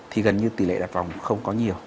thì gần như tỷ lệ đặt vòng không có nhiều